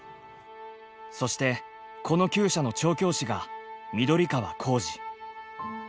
そしてこのきゅう舎の調教師が緑川光司。